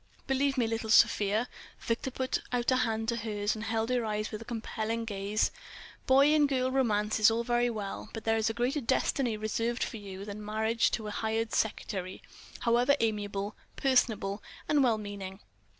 "Believe me, little Sofia"—Victor put out a hand to hers, and held her eyes with a compelling gaze—"boy and girl romance is all very well, but there is a greater destiny reserved for you than marriage to a hired secretary, however amiable, personable, and well meaning.